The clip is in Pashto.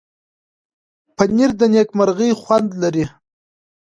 پنېر د نېکمرغۍ خوند لري.